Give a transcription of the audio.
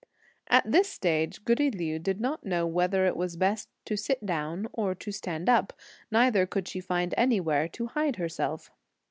At this stage, goody Liu did not know whether it was best to sit down or to stand up, neither could she find anywhere to hide herself.